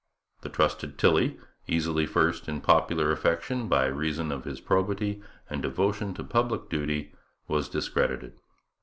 The trusted Tilley, easily first in popular affection by reason of his probity and devotion to public duty, was discredited.